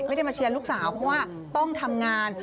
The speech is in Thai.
ไม่ได้มาเชียร์ลูกสาวเพราะว่าต้องทำงาน